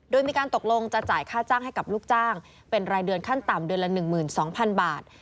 โดยมีการตกลงจะจ่ายค่าจ้างให้กับลูกจ้างเป็นรายเดือนขั้นต่ำเดือนละ๑๒๐๐๐บาท